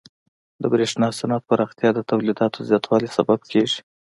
د برېښنا صنعت پراختیا د تولیداتو زیاتوالي سبب کیږي.